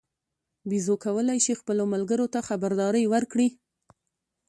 بیزو کولای شي خپلو ملګرو ته خبرداری ورکړي.